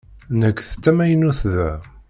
Nekk d tamaynut da.